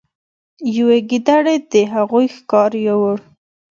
یوې ګیدړې د هغوی ښکار یووړ.